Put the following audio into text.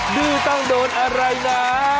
ดื้อต้องโดนอะไรนะ